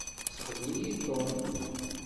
Yessexdem-iyi Tom.